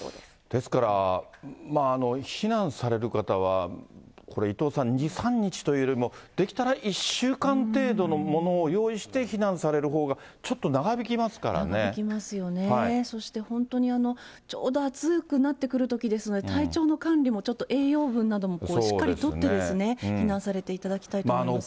ですから、避難される方は、これ、伊藤さん、２、３日というよりも、できたら１週間程度のものを用意して避難されるほうがちょっと長長引きますよね、そして、本当にちょうど暑くなってくるときですので、体調の管理も、栄養分などもしっかりとってですね、避難されていただきたいと思います。